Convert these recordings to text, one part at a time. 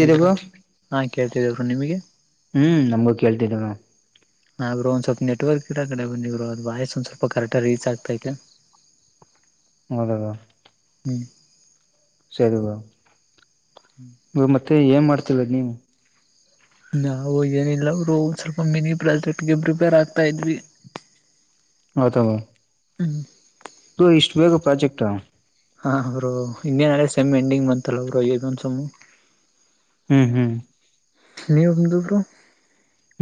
Hi bro ವು ಹಾ ಕೇಳ್ತಿದೆ ಬ್ರೋ ನಿಮಗೆ ಹ್ಮ್ ನಮಗೂ ಕೇಳ್ತಿದ್ದವ. ಹಾ ಬ್ರೋ ಒಂದ್ ಸ್ವಲ್ಪ ನೆಟ್ವರ್ಕ್ ಇರ ಕಡೆ ಬಂದಿದ್ರು ಅ್ ವಾಯ್ಸ್ ಒಂದ್ ಸ್ವಲ್ಪ ಕರೆಕ್ಟ ರೀಚ್ ಆಗ್ತಾತೆ. [inaudible] ಹೌದ ಬ್ರೋ. ಹ್ಮ್. ಸರಿ ಬ್ರೋ ಮತ್ತೆ ಏನ್ ಮಾಡ್ತಿರೋಡೂ ನೀವು. ನಾವು ಏನಿಲ್ಲ ಅವರು ಒಂದ ಸ್ವಲ್ಪ ಮಿನಿ ಪ್ರಾಜೆಕ್ಟ್ಗೆ ಪ್ರಿಪೇರ್ ಆಗ್ತಾ ಇದ್ವಿ. [inaudible] ಹೌದ. ಹ್. ತು ಇಷ್ಟಟ್ ಬೇಗ ಪ್ರಾಜೆಕ್ಟ್ ಹ. ಹಾ ಅವರು ಇನ್ನೇನಳೆ ಸಮ್ಮ್ ಎಂಡಿಂಗ್ ಬಂತಲ್ಲ ಅವರು ಸೊಮ್ಮು. ಹ್ಮ್ ಹ್ಮ್. ನೀವು ಬಂದು ಬ್ರೋ.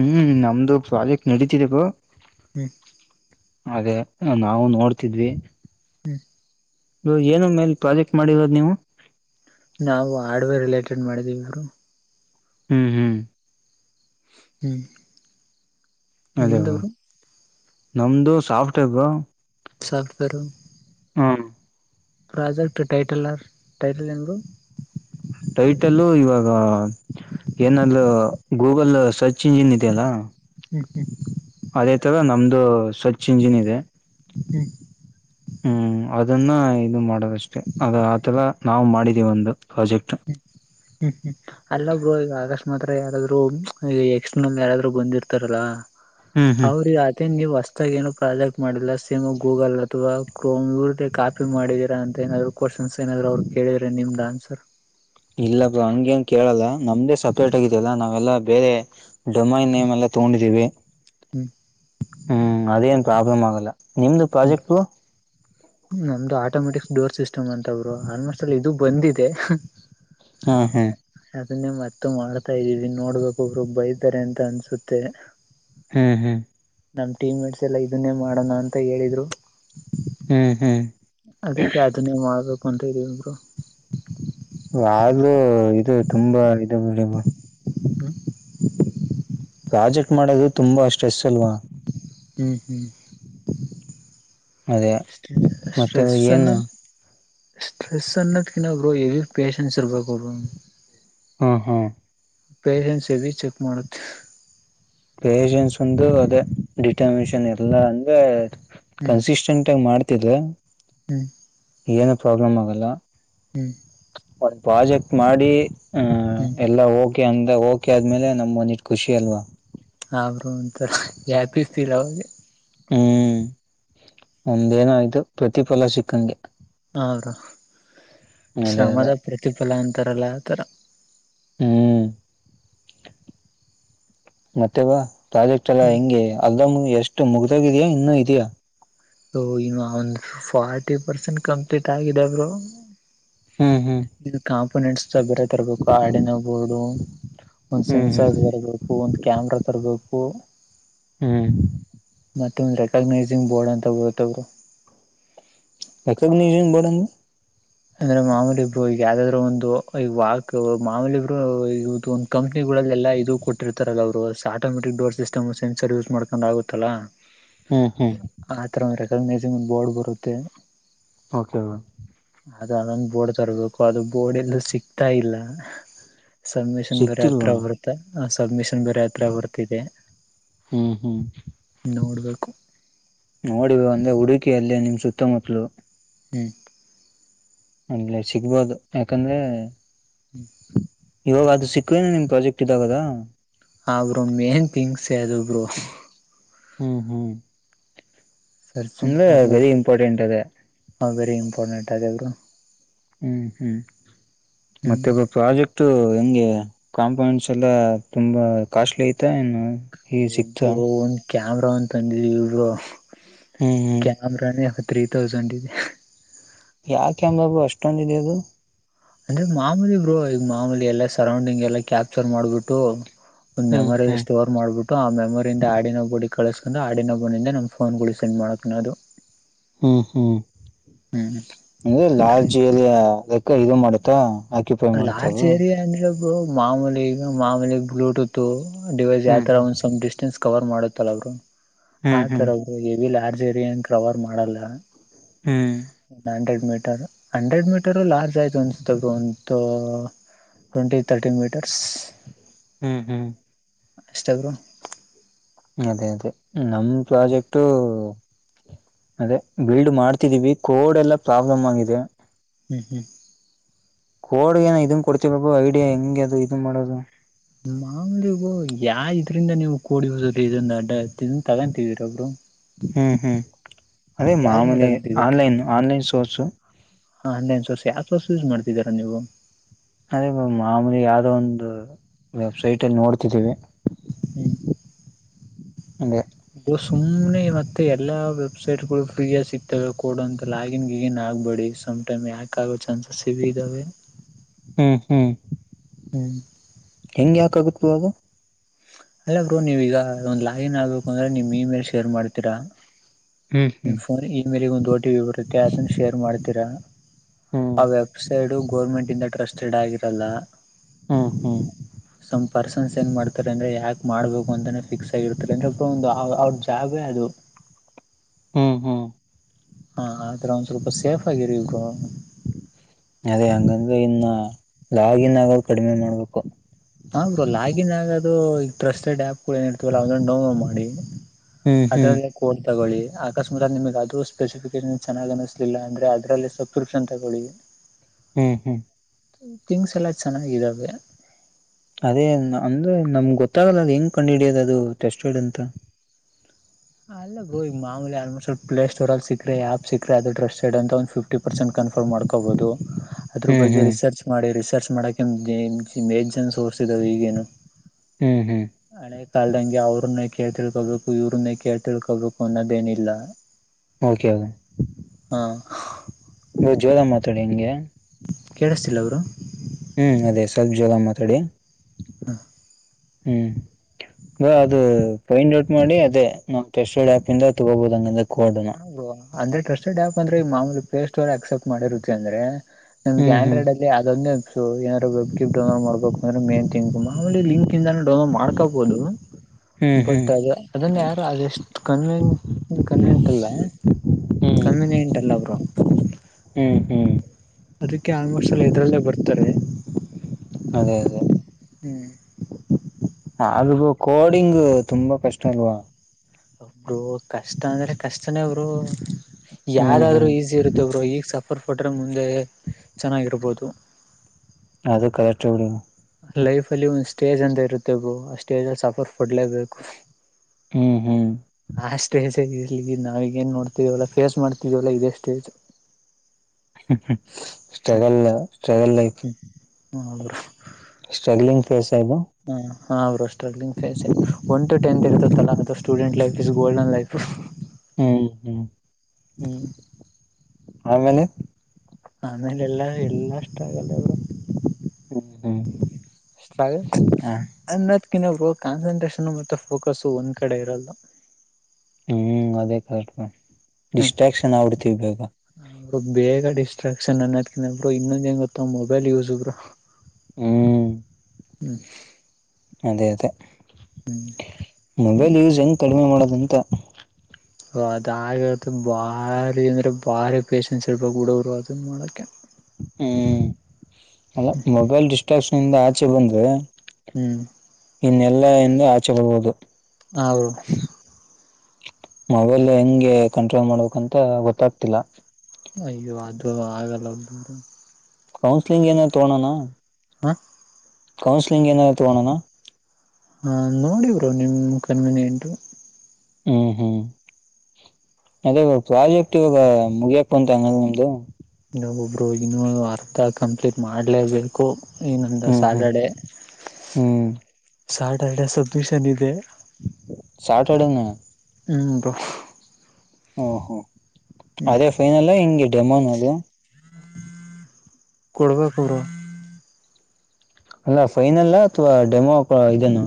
ಹ್ಮ್ ನಮ್ದು ಪ್ರಾಜೆಕ್ಟ್ ನಡೀತಿದೆ ಬೋ. ಹ್ಮ. ಅದೇ ನಾವು ನೋಡ್ತಿದ್ವಿ. ಹ್ಮ್. ಏನು ಮೇಲೆ ಪ್ರಾಜೆಕ್ಟ್ ಮಾಡಿರೋದು ನೀವು. ನಾವು ಹಾರ್ಡ್ವೇರ್ ರಿಲೇಟೆಡ್ ಮಾಡಿದೀವಿ ಬ್ರೋ. ಹ್ಮ್ ಹ್ಮ್. ಹ್ಮ್. ಅದೇ ನಿಮ್ದು ಬ್ರೋ. ನಮ್ದು ಸಾಫ್ಟ್ ವೇರ್ ಬ್ರೋ. ಸಾಫ್ಟ್ವೇರ್. ಹ್ಮ ಪ್ರಾಜೆಕ್ಟ್ ಟೈಟಲರ್ ಟೈಟಲ್ ಹೆಂಗರು ಟೈಟಲ್ಲ ಇವಾಗ ಏನಾದ್ ಗೂಗಲ್ ಸರ್ಚ್ ಇಂಜಿನ್ ಇದೆಯಲ್ಲಾ ಮಕೆ ಅದೇ ತರ ನಮ್ದು ಸ್ವಚ್ ಇಂಜಿನ್ ಇದೆ ಹ್ಮ್ ಹ್ಮ್ ಹ್ಮ್ ಅದನ್ನ ಇದು ಮಾಡೋದಷ್ಟೇ ಅದ ಆತರ ನಾವವು್ ಮಾಡಿದೀವಿ ಒಂದು ಪ್ರಾಜೆಕ್ಟ್ ಹ್ಮ್ ಹ್ಮ್ ಅಲ್ಲಬ್ರು ಈಗ ಆಗಸ್ಟ್ ಮಾತ್ರ ಯಾರಾದ್ರು ಈ ಎಕ್ಸ್ಟನಲ್ ಯಾರಾದ್ರು ಬೊಂದಿರ್ತಾರಲ್ಲ ಹ್ಮ್ ಹ್ಮ್ ಅವ್ರಿಗೆ ಅತನ್ ನೀವು ಅಸ್ ಏನು ಪ್ರಾಜೆಕ್ಟ್ ಮಾಡಿಲ್ಲ ಸೇಮ್ ಗೂಗಲ್ ಅಥವಾ ಕ್ರವ ಕಾಪಿ ಮಾಡಿದೀರಾ ಅಂತ ಏನಾದ್ೂ ಕವ ಸನ್ಸ ನಾದ್ರರು ಅವ್ರು ಕೇಳಿದ್ರೆ ನಿಮ್ದ ಆನ್ಸರ್ ಇಲ್ಲಪ್ಪ ಹಂಗೇನ್ ಕೇಳಲ್ಲ ನಮ್ದೇ ಸಪ್ರೇಟ್ ಆಗಿದಲ್ಲಾ ನಾವೆಲ್ಲಾ ಬೇರೆ ಡೊಮೈ ನೇಮ್ ಎಲ್ಲ ತಗೊಂಡಿದ್ದೀವಿ ಹ್ಮ್ ಹ್ಮ್ ಅದೇನ್ ಪ್ರಾಬ್ಲಮ್ ಆಗಲ್ಲ ನಿಮ್ದು ಹ್ಮ್ ಪ್ರಾಜೆಕ್ಟ ನಮ್ದು ಆಟೋಮೆಟಿಕ್ಸ್ ಡೋರ್ ಸಿಸ್ಟಮ್ ಅಂತ ಅವರು ಆಲ್ಮೋಸ್ಟ್ ಅಲ್ಲಿ ಇದು ಬಂದಿದೆ ಹಾ ಹಾ ಅದನ್ನೇ ಮತ್ತೆ ಮಾಡ್ತಾ ಇದ್ದೀವಿ ನೋಡ್ಬೇಕ ಒಬ್ರು ಬೈತಾರೆ ಅಂತ ಅನ್ಸುತ್ತೆ ಹ್ಮ್ ಹಾ ನಮ್ ಟೀಮ ಮೇಟ್ಸ್ ಎಲ್ಲ ಇದನ್ನೇ ಮಾಡೋಣ ಅಂತ ಹೇಳಿದ್ರು ಹ್ಮ್ ಹ್ಮ್ ಅದಕ್ಕೆ ಅದನ್ನೇ ಮಾಡ್ಬೇಕು ಅಂತ ಇದೀವಿಬ್ರು ಆದೂ ಇದು ತುಂಬಾ ಇದುಮ್ಮ ಹ ಪ್ರಾಜೆಕ್ಟ್ ಮಾಡೋದು ತುಂಬಾ ಸ್ಟ್ರೆಸ್ ಅಲ್ವಾ ಹ್ಮ್ ಹ್ಮ್ ಅದೇ ್ಟ ಮತ್ತೆ ಸ್ಟ್ರಸ್ ಅನ ಏನು ಸ್ಟ್ರೆಸ್ ಅನ್ನ್ಣದಕಿನ ಬರ ಎವಿ ಪಷನ್ಸ್ ಇಬೇಕ ಬ ಹಾ ಹಾ ಪೇಷೆನ್ಸ್ ಎವಿ ಚೆಕ್ ಮಾಡುತ್ತೆ ಪಷನ್ಸ್ ಒಂದು ಅದೇ ಡಿಟಮಿನಷನ್ ಎಲ್ಲಾ ಅಂದ್ರೆ ಹ್ಮ್ ಕನ್ಸಿಸ್ಟೆಂಟ್ ಆಗಿ ಮಾಡ್ತಿದ ಹ್ಮ್ ಏನು ಪ್ರಾಬ್ಲಮ್ ಆಗಲ್ಲ ಹ್ಮ್ ಒಂದು್ ಪ್ರಾಜೆಕ್ಟ್ ಮಾಡಿ ಆಹ ಹ್ಮ್ ಎಲ್ಲಾ ಹೋಗಿ ೆ ಅಂದ್ರ ಓಕೆ ಆದ್ಮೇಲೆ ನಮ್ ಮನಿಟ್ ಖುಷಿ ಅಲ್ವಾ ರು ಅಂತ ಯ್ಯಾಪಿ ಫೀಲ್ ಅವೆ ಹ್ಮ್ ಒಂದೇನಾಯಯ್ತು ಪ್ರತಿಫಲ ಸಿಕ್ಕಂಗೆ ಅವರು ಅದೇ ಅದೇ ಶ್ರಮದ ಪ್ರತಿಫಲ ಅಂತಾರಲ್ಲ ಆತರ ಹ್ಮ್ ಮತ್ತೆವಾ ಪ್ರಾಜೆಕ್ಟ್ ಎಲ್ಲಾ ಹೆಂಗೆ ಅಲ್ದ ಎಷ್ಟು ಮುಗ್ದಾಗಿದಯಾ ಇನ್ನುೂ ಇದಯಾ ನ್ನು ಒಂದು ಫಾರ್ಟಿ ಪರ್ಸೆಂಟ್ ಕಂಪ್ಲೀಟ್ ಆಗಿದೆಬ್ರು ಹ್ಮ್ ಹ್ಮ್ ಇದು ಕಾಂಪೊನೆಂಟ್ಸ್ ಬೇರೆ ತರಬೇಕು ಆಾಡಿನ ಬೋರ್ಡು ಒಂದ್ ಹ್ಮ್ ಹ್ಮ್ ಸೆನ್ಸಾರ್ ತರಬೇಕು ಒಂದ್ ಕ್ಯಾಮ್ರಾ ತರಬೇಕು ಹ್ಮ್ ಮತ್ತೊಂದು ರೆಕಾಗನೈಸಿಂಗ್ ಬೋರ್ಡ್ ಅಂತ ಬರುತ್ತವರು ಅಕ ಬಡ ಅಂದ್ರೆ ಮಾಮೂಲಿಬರು ಈಗ ಯಾವ್ದಾದ್ರು ಒಂದು ಈ ವಾಕ್ ಮಾಮೂಲಿಬ್ರು ಒ ಕಂಪ್ನಿ ಲ್ಲ ಇದು ಕೊಟ್ಟಿರ್ತಾರಲ್ಲ ಅವರು ಆಟೋಮೆಟಿಕ್ ಡೋರ್ಿಸ್ಟಮ್ ಸೆನ್ಸರ್ ಯೂಸ್ ಮಾಡ್ಕೊಂಡ್ ಆಗುತ್ತಲ್ಲ ಹ್ಮ್ ಹ್ಮ್ ಆಥರ ಒಂದ್ ರೆಕಗ್ನೈಸಿಂಗ್ ಬೋರ್ಡ್ ಬರುತ್ತೆ ಓಕೆ ಮ್ ಅದು ಅದೊಂದು ಬೋರ್ಡ್ ತರ್ಬೇಕು ಅದು ಬೋರ್ಡ್ ಎಲ್ಲೂ ಸಿಗ್ತಾ ಇಲ್ಲ ಸಬ್ಮಿಷನ್ ಬರ ಸಿಕ್ತಿಲ್ವಾ ಹತ್ರ ಬರ್ತ ಸಬ್ಮಿಷನ್ ಬರೆ ಹತ್ರ ಬರ್ತದೆ ಹ್ಮ್ ಹ್ಮ್ ನೋಡಿ ಅಂದ್ರೆ ಹುಡುಕಿಯಲ್ಲೇ ನಿಮ್ ಸುತ್ತಮುತ್ತಲುು ಹ್ಮ್ ಅಲೆ ಸಿಗ್ಬೋದು ಯಾಕಂದ್ರೆ ಹ್ಮ್ ಇವಾಗ ಅದು ಸಿಕ್ಕುವೇನ ನಿನ್ ಪ್ರಾಜೆಕ್ಟ್ ಇದಾಗದ ಹರು ಮೇನ್ ಗ್ಸ್ ಅಬ್ರು ಹ್ಮ್ ಹ್ಮ್ ಸರ್ಚ್ ಅಂದ ವೆರಿ ಇಂಪಾರ್ಟೆಂಟ್ ಅದೇ ಹಾ ವೆರಿ ಇಂಪಾರ್ಟೆಂಟ್ ಅವರು ಹ್ಮ್ ಹ್ಮ್ ಹ್ಮ್ ಮತ್ತೆಬ್ಬ ಪ್ರಾಜೆಕ್ಟ ಹೆಂಗೆ ಕಾಂಪೌಂಡಸ್ ಎಲ್ಲ ತುಂಬಾ ಕಾಸ್ಟ್ಲಿ ಐತ ಏನು ಈ ಸಿಕ್ತಾ ಬ್ರೋ ಒಂದ್ ಕ್ಯಾಮ್ರಾ ಒಂತ ತಂದಿದವಿ ಇರು ಹ್ಮ್ ಹ್ಮ್ ಕ್ಯಾಮ್ರಾನೇ ತ್ರೀ ತೌಸಂಡ್ ಇದೆ ಯಾಕೆ ಬಾಬು ಅಷ್ಟೊಂದ ಇದೆಯ ಅದು ಅಂದ್ರೆ ಮಾಮೂಲಿ ಬ್ರರು ಈಗ ಮಾಮೂಲಿ ಎಲ್ಲಾ ಸರೌಂಡಿಂಗ್ ಎಲ್ಲಾ ಕ್ಯಾಪ್ಚರ್ ಮಾಡ್ಬಿಟ್ಟು ಒಂದ್ ಹ್ಮ್ ಮೆಮೊರಿ ಹ್ಮ್ ಸ್ಟೋರ್ ಮಾಡ್ಬಿಟ್ಟು ಆ ಮೆಮೊರಿಯಂದ ಆಡಿನೋಗಬುಡಿ ಕಳಿಸ್ಕೊಂಡು ಆಡಿನಬನಿಂದ ನಮ್ಮ ಫೋನ್ಗಳು ಸೆಂಡ್ ಮಾಡೋಕೆಣ ಅದು ಹ್ಮ್ ಹ್ಮ್ ಅ್ರೆ ಆತರ ಇದೆ. ಲಾಲ್ಜಿರಿ ಲೆಕ್ಕ ಇದು ಮಾಡ ಆತ್ತಾ ಆಕ್ಯುಪೈ ಲಾರ್ಜ್ ಮಾಡ್ತರು ಏರಿಯಾ ಅಂದ್ರೆ ಮಾಮೂಲಿ ಮಾಮೂಲಿ ಬ್ಲೂಟೂತ್ ಡಿವೈಸ್ ಹ್ಮ್ ಯಾವತರ ಹ್ಮ್ ಒಂದ್ ಡಿಸ್ಟೆನ್ಸ್ ಕವರ್ ಮಾಡುತ್ತಲ್ಲ ಅವರು ಹ್ಮ್ ಆಥರ ಹ್ಮ್ ಅವರು ಎವಿ ಲಾರ್ಜ್ ಏರಿಯಾ ಕವರ್ ಮಾಡಲ್ಲ hundred metre hundred metre large ಆಯ್ತ ತಗೋಂತ ಟ್ವೆಂಟಿ ತರ್ಟಿ ಮೀಟರ್ಸ್ ಹ್ಮ್ ಹ್ಮ್ ಇನ್ಸ್ಟಾಗ್ರಾಮ ಅದೇ ಅದೇ ನಮ್ಮ ಪ್ರಾಜೆಕ್ಟ ಅದೇ ಬಿಲ್ಡ್ ಮಾಡ್ತಿದ್ದೀವಿ ಕೋಡ್ ಎಲ್ಲಾ ಪ್ರಾಬ್ಲಮ್ ಆಗಿದೆ ಹ್ಮ್ ಹ್ಮ್ ಕೋಡ್ಗ ಏ ಇದನ್ ಕೊಡ್ತವಿ ಬಾಬ ಐಡಿಯಾ ಹೆಂಗಗೆ ಅದು ಇದನ್ ಮಾಡೋದು ಮಾಮ್ಲಿಗ ಯಾ ಇದ್ರಿಂದ ನೀವು ಕೂಡಿ ಹುದ್ರ ಇದಂದು ಅಡ್ಡ ಇದನ್ ತಗೊಂತಿವರೊಬ್ರು ಹ್ಮ್ ಹ್ಮ್ ಅದೇ ಯಾವ್ದ್ರಿಂದ ಮಾಮೂಲೆ ಆನ್ಲೈನ್ ಆನ್ಲೈನ್ ಸೋರ್ಸು ಹಾ ಹನ್ನೆ ಸರ್ಸಿ ಆ ಸ ವರ್ಸ ಯೂಸ್ ಮಾಡ್ತಿದರಾ ನೀವು ಅದೇ ಮಾಮೂಲಿ ಯಾವ್ದೋ ಒಂದು ವೆಬ್ಸೈಟ್ ಅಲ್ಲಿ ನೋಡ್ತಿದ್ದೀವಿ ಹ ಅದೇ ಒ ಸುಮನೆ ಇವತ್ತೆ ಎಲ್ಲಾ ವೆಬ್ಸೈಟ್ ಗಳು ಫ್ರೀಯ ಸಿಗ್ತವೆ ಕೋಡ್ ಅಂತ ಲಾಗಿನ್ ಗಿಗಿನ್ ಆ ಹಬೇಡಿ ಸಮ್ ಟೈಮ್ ಯಾಕಾಗೊ ಚಾನ್ಸ್ ಹ್ಮ್ ಹ್ಮ್ [unintelligible] ಹೆಂಗ್ ಯಾಕ ಆಗತ್ ಅವಾಗ ಅಲ್ಲ ಬ್ರೋ ನೀವೀಗ ಒಂದ್ ಲಾಗಿನ್ ಆಗ್ಬೇಕು ಅಂದ್ರೆ ನಿಮ್ ಇಮೇಲ್ ಶೇರ್ ಮಾಡ್ತೀರಾ ಹ್ಮ್ ನಿಮ್ಮ ಹ್ಮ್ ಫೋನ್ ಇಮೇಲಗೆ ಒಂದು ಓಟಿ ಪಿ ಬರುತ್ತೆ ಅದನ್ನ ಶೇರ್ ಮಾಡ್ತೀರಾ ಹ್ಮ್ ಆ ವೆಬ್ಸೈಡು ಗೋರ್ಮೆಂಟ್ ಇಂದ ಟ್ರಸ್ಟೆಡ್ ಆಗಿರಲ್ಲ [inaudible] ಹ್ಮ್ ಹ್ಮ್ ಏನ್ ಮಾಡ್ತಾರೆ ಅಂದ್ರೆ ಯಾಕೆ ಮಾಡ್ಬೇಕು ಅಂತಾನೆ ಫಿಕ್ಸ್ ಆಗಿರ್ತಾರೆ ಅಂದ್ರೆ ಅ ಒ ಅವ್ರ ಜಾಬೇ ಅದು [inaudible] [inaudible] ಹಾ ಆ್ರ ಒಂದ್ ಆ ತರ ಸ್ವಲ್ಪ ಸೇಫ್ ಆಗಿರಿ ಬ್ರೊ ಅದೇ ಹಂಗಂದ್ರೆ ಇನ್ನ ಲಾಗಿನ್ ಆಗದು ಕಡಿಮೆ ಮಾಡ್ಬೇಕು ಆು ಬ್ರೋ ಲಾಗಿನ್ ಆಗೋದು ಈಗ ಟ್ರಸ್ಟೆಡ್ ಆ್ಯಪ್ ಗಳು ಏನ ಇರ್ತವಲ್ಲ ಅವದಂದು ಡೌನ್ಲೋಡ್ ಮಾಡಿ ಹ್ಮ್ ಹ್ಮ್ [unintelligible] ತಗೊಳ್ಳಿ ಆಕಸ್ಮಾದಲ್ಲಿ ನಿಮಗ್ ಅದು ಸ್ಪೆಸಿಫಿಕೇಶನ್ ಚೆನ್ನಾಗಿ ಅನ್ನಿಸ್ಲಿಲ್ಲ ಅಂದ್ರೆ ಅದ್ರಲ್ಲಿ ಸತ್ಪ್ರೂಷನ್ ತಗೊಳ್ಳಿ ಹ್ಮ್ ಹ್ಮ್ ಥಿಂಗ್ಸ್ ಎಲ್ಲ ಚೆನ್ನಾಗಿದಾವೆ ಅದೇ ಅಂದ್ರೆ ನಮ್ ಗೊತ್ತಾಗಲ್ಲ ಅ ಹೆಂಗ್ ಕಂಡುಹಿಡಿಯೋದು ಅದು ಟೆಸ್ಟಡ್ ಅಂತ ಅಲ್ಲ ಗೋ ಈಗ ಮಾಮೂಲಿ ಎರಡ್ಮೂರು ಸಲ ಪ್ಲೇ ಸ್ಟೋರಲ್ಲಿ ಸಿಕ್ಕರೆ ಯಾಪ್ ಸಿಕ್ರೆ ಕಸ್ಟರ್ಡ್ ಅಂತ ಫಿಫ್ಟಿ ಪರ್ಸೆಂಟ್ ಅಂತ ಕ ಕನ್ಫರ್ಮ್ ಮಾಡ್ಕೊಬೋದು ಹ್ಮ್ ಹ್ಮ್ [inaudible] ಹ್ಮ್ ಹ್ಮ್ ನಾಳೆಬ್ ಕಾಲ್ದಂಗೆ ಅವ್ರನ್ನೇ ಕೇಳ್ ತಿಳ್ಕೊಬೇಕು ಇವ್ರನ್ನೇ ಕೇಳ್ ತಿಳ್ಕೊಬೇಕು ಅನ್ನೋದೇನಿಲ್ಲ ಓಕೆ. ಹಾ ನೀ ಜೋಧ ಮಾತಾಡಿ ಹೆಂಗೆ ಕೇಳಿಸ್ತಿಲ್ಲ ಅವರು ಹ್ಮ್ ಅದೇ ಸ್ವಲ್ಪ ಜೋರಾಗಿ ಮಾತಾಡಿ ಹಾ ಹ್ಮ್ ಕ್ಯಾ ಅ ಅದು ಫೈಂಡ್ ಔಟ್ ಮಾಡಿ ಅದೇ ಮತ್ತೆ ಯಶೋಡ್ ಆಪ್ ಇಂದ ತಗೋಬಹದು ಹಂಗಂದ್ರೆ. ಕೋಡ್ನ ಹ ಬ್ರೋ ಆಂಡ್ರೆ ಟ್ರಸ್ಟೆಡ್ ಆ್ಯಪ್ ಅಂದ್ರೆ ಮಾಮೂಲಿ ಪ್ಲೇ ಸ್ಟೋರ್ ಅಕ್ಸೆಪ್ಟ ಮಾಡಿರುತ್ತೆ ಅಂದ್ರೆ ಹ ಹ್ಮ್ ಹ್ಮ್ ಆಂಡ್ರ್ಡ್ ಅಂದ್ರೆ ಅದೊಂದೇಪ್ಸ್ ಏನಾದ್ರು ಕಿಪ್ ಡೌನ್ಲೋಡ್ ಮಾಡ್ಬೇಕು ಮೇಥಿಂಕ್ ಮಾಮೂಲಿ ಲಿಂಕ್ಇಂದನು ಡೌನ್ಲೋಡ್ ಮಾಡ್ಕೊಬಹುದು ಹ್ಮ್ ಬಟ್ ಹ್ಮ್ ಅದ ಅದನ್ನ ಯಾರು ಅದೆಷ್ಟು ಕನ್ನ್ ಕನ್ನ್ ಹ್ಮ್ [inaudible] ಹ್ಮ್ ಹ್ಮ್ ಅದಕ್ಕೆ ಆಲ್ಮೋಶಲ್ಲಿ ಇದದ್ರಲ್ಲೇ ಬರ್ತಾರೆ ಅದೇ ಅದೇ ಹ್ಮ್ ಅಲಗೂ ಕೋಡಿಂಗ್ ತುಂಬಾ ಕಷ್ಟ ಅಲ್ವಾ ಒಬ್ರು ಕಷ್ಟ ಅಂದ್ರೆ ಕಷ್ಟನೇ ಒಬ್ರು ಹ್ಮ್ ಯಾರಾದ್ರು ಹ್ಮ್ ಈಸಿ ಇರುತ್ತ ಬ್ರೋ ಈಗ ಸಬ್ ಫರ್ ಕೊಟರೆೆ ಮುಂದೆ ಚೆನ್ನಾಗಿರ್ಬೋದು ಅದು ಕಯಾ ಚೋನು ಆದ್ ಲೈಫ ಅಲ್ಲಿ ಒಂದ್ ಸ್ಟೇಜ್ ಅಂತ ಇರುತ್ತೆಗೋ ಆ ಸ್ಟೇಜ್ ಅಲ್ಲಿ ಸಫರ್ ಪಡ್ಲೇಬೇಕು ಹ್ಮ್ ಹ್ಮ್ ಆ ಸ್ಟೇಜಗಿರಿಲಿ ನಾವೀಗ ಏನ್ ನೋಡ್ತವಲ್ಲಾ ಫೇಸ್ ಮಾಡ್ತಿವಲ್ಲಾ ಇದೇ stage [unintelligible] hmm hmm struggle struggle life life [inaudible] sterling phase I know ಹಾ ಹಾ bro struggling face one to tenth ಇರ್ತತಾಲ ಅ student life is golden life ಹ್ಮ್ ಹ್ಮ್ ಹ್ಮ್ ಆಮೇಲೆ ಆಮೇಲೆ ಎಲ್ಲಾ ಎಲ್ಲಾ ಅಷ್ಟ ಸ್ಟ್ರಗಲ್ ಹ್ಮ್ ಹ್ಮ್ ಹ ಬ್ರೋ [inaudible] ಅ [unintelligible] ಕ ಕಾನ್ಸಂಟ್ರೇಷ ಮತ್ತೆ ಫೋಕಸು ಹ್ಮ್ ಅದೇ ಕಸ್ಟಾ ಹ್ಮ್ ಡಿಸ್ಟ್ರಾಕ್ಷನ್ ಆಗ್ಬಿಡ್ತೀವಿ ಬೇಗ ಬೇಗ ಡಿಸ್ಟ್ರಾಕ್ಷನ್ ಅನ್ನೋದಿಕಿನಾ ಇನ್ನೊಂದ್ ಹೆಂಗ ಗೊತ್ತ ಮೊಬೈಲ್ ಯೂಸ್ ಬ್ರೋ ಹ್ಮ ಹ್ಮ ಅದೇ ಅದೇ ಹ್ಮ್ ಮೊಬೈಲ್ ಯೂಸ್ ಹೆಂಗ್ ಕಡಿಮೆ ಮಾಡೋದಂತ ಒ ಅದಾಗತ ಭಾರಿ ಅಂದರೆೆ ಭಾರಿ ಪೇಶಷನ್ಸ್ ಇರ್ಬೇಕು ಹುಡಗರು ಅದನ್ನ ಮಾಡೋಕ್ಕೆ ಹ್ಮ್ ಅಲ್ಲ ಮೊಬೈಲ್ ಡಿಸ್ಟ್ರಾಕ್ಷನ್ ಇಂದ ಆಚೆ ಬಂದ್ರೆ ಹ್ಮ್ ನ್ನೆಲ್ಲಾ ಇಂದೇ ಆಚೆ ಬರಬಹುದು ಹ ಬ್ರೋ ಮೊಬೈಲ್ ಹೆಂಗೆ ಕಂಟ್ರೋಲ್ ಮಾಡ್ಬೇಕಂತ ಗೊತ್ತಾಗ್ತಿಲ್ಲ ಅಯ್ಯೋ ಅದು ಆಗಲ್ಲ ಬ್ರೋ ಕೌನ್ಸಿಲಿಂಗ್ ಏನನಾ ತೋಗೊಣೋಣ ಹಾ ಕೌನ್ಸಿಲಿಂಗ್ ಏನರಾ ತಗಣೋನಾ ಹಾ ನೋಡಿ ಬ್ರೋ ಕನ್ವಿನೆಂಟ್ ಹ್ಮ ಹ್ಮ್ ಅದೇ ಇವಾಗ ಪ್ರಾಜೆಕ್ಟ್ ಇವಾಗ ಮುಗಿಯಕೆ ಬಂತು ಅಂಗಂದ್ರ ನಿಮ್ದು ಒಬ್ರು ಇನ್ನುೂ ಅರ್ಧ ಕಂಪ್ಲೀಟ್ ಮಾಡ್ಲೇಬೇಕು ಇನೊಂದು ಹ್ಮ್ ಹ್ಮ್ ಸ್ಯಾಟರ್ಡೆ ಹ್ಮ್ ಸ್ಯಾಟರ್ಡೆ ಸಬ್ಮಿಷನ್ ಇದೆ ಸ್ಯಾಟರ್ಡೇನಾ ಹ್ಮ ಬ್ರೋ ಓ ಒ ಹ್ಮ್ ಅದೇ ಕೊಡ್ಬೇಕು ಬ್ರೋ ಅಲ್ಲ ಫೈನಲ್ ಅಥವಾ ಡೆಮೋ ಪ ಇದನಾ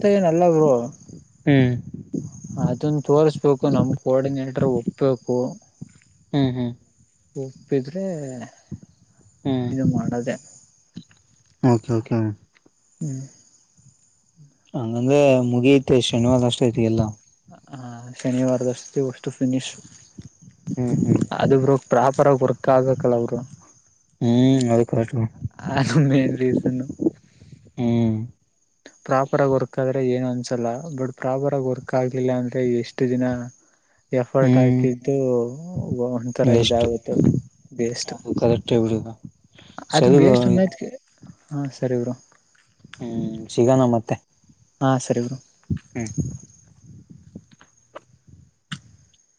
ಮತ್ತೆ ನಲ್ಲ ಬ್ರೋ ಅದನ್ ತೋರ್ಸ್ಬೇಕು ನಮ್ ಕೋಆರ್ಡಿನೇಟರ್ ಒಪ್ಬೇಕು ಹ್ಮ್ ಹ್ಮ್ ಒಪ್ಪಿದ್ರೆ ಹ್ಮ್ ಇದು ಮಾಡೋದೆೇ ಓಕೆ ಓಕೆ ಹ್ಮ್ ಹಂಗಂದ್ರೆ ಮುಗಿಯತೆ ಶನಿವಾರ ಅನ್ನೋಸ್ಟೊತ್ತಿಗೆಲ್ಲ ಆ ಶನಿವಾರ ಹ್ಮ್ ಹ್ಮ್ ಪ್ರಾಪರ ಆಾಗಿ ವರ್ಕ್ ಆಗಬೆಕ್ಕಲ್ಲ ಬ್ರೋ ಹ್ಮ್ ಹೌದ ಅದು ಮೇನ್ ರೀಸನ್ನು ಹ್ಮ್ ಪ್ರಾಪರ್ ಆಗಿ ವರ್ಕ್ ಆದ್ರೆ ಏನು ಅನ್ಸಲ್ಲ ಬಟ್ ಪ್ರಾಪರ್ ಆಗಿ ವರ್ಕ್ ಆಗ್ಲಿಲ್ಲ ಅಂದ್ರೆ ಎಷ್ಟು ದಿನ ಎಫರ್ಟ್ ಹ್ಮ್ ಹಾಕಿದ್ದು ಒಂಥರ ಎಷ್ಟು ಇದಾಗುತ್ತವ ವೇಸ್ಟ್ ಅದು ಕರೆಕ್ಟ್ ಬಿಡುದು ಅದು ಸರಿ ಬ್ರೋ ವೇಸ್ಟ್ ಅನ್ನೋದಕ್ಕೆ ಹಾ ಸರಿ ಬ್ರೋ ಹ್ಮ್ ಸಿಗಣ ಮತ್ತೆ ಹಾ ಸರಿ ಬ್ರೋ ಹ್ಮ